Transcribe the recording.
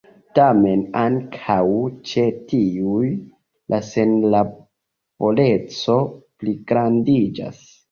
Tamen ankaŭ ĉe tiuj la senlaboreco pligrandiĝas.